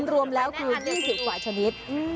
รวมแล้วคือ๒๐กว่าชนิด